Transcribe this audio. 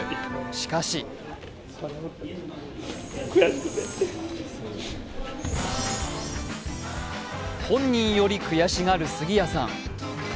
しかし悔しくて本人により悔しがる杉谷さん。